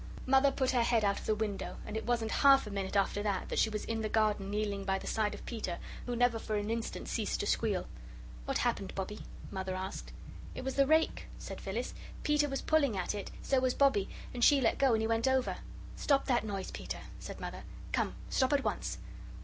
Mother put her head out of the window, and it wasn't half a minute after that she was in the garden kneeling by the side of Peter, who never for an instant ceased to squeal. "What happened, Bobbie?" Mother asked. "It was the rake," said Phyllis. "Peter was pulling at it, so was Bobbie, and she let go and he went over." "Stop that noise, Peter," said Mother. "Come. Stop at once."